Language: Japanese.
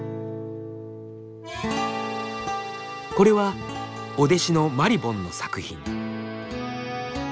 これはお弟子のまりぼんの作品。